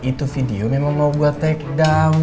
itu video memang mau gue tag down